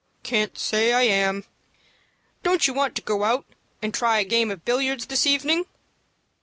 "Can't say I am. Don't you want to go out and try a game of billiards this evening?"